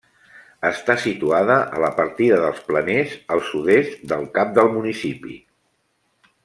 Està situada a la partida dels Planers, al sud-est del cap del municipi.